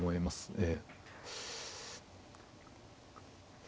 ええ。